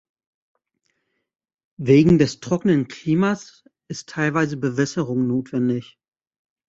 Wegen des trockenen Klimas ist teilweise Bewässerung notwendig.